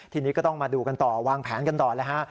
ทีนี้ก็ต้องมาดูกันต่อวางแผนกันต่อเลยฮะ